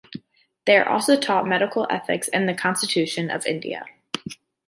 They are also taught Medical Ethics and the Constitution of India.